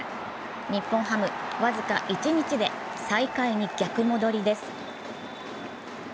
日本ハム、僅か一日で最下位に逆戻りです。